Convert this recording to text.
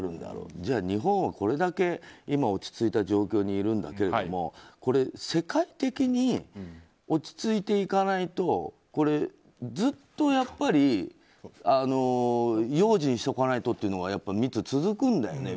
じゃあ、日本はこれだけ今落ち着いた状況にいるけれども世界的に落ち着いていかないとずっと用心しとかないとというのがミッツ、続くんだよね。